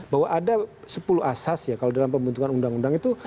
bahwa ada sepuluh asas ya kalau dalam pembentukan undang undang itu